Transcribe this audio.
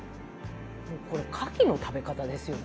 これかきの食べ方ですよね。